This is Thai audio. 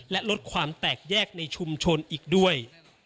และลดความแตกแยกในชุมชนอีกด้วย